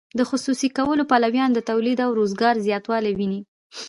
د خصوصي کولو پلویان د تولید او روزګار زیاتوالی ویني.